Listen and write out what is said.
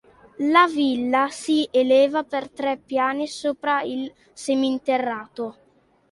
La villa si eleva per tre piani sopra il seminterrato.